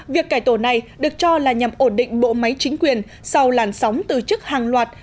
việc cải tổ này được cho là nhằm ổn định bộ máy chính quyền sau làn sóng từ chức hàng loạt